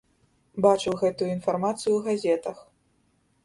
Бачыў гэтую інфармацыю ў газетах.